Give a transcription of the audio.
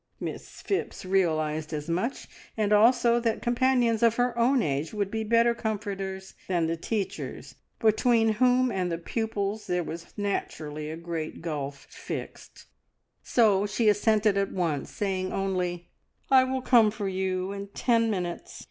Miss Phipps realised as much, and also that companions of her own age would be better comforters than the teachers, between whom and the pupils there was naturally a great gulf fixed; so she assented at once, saying only "I will come for you in ten minutes.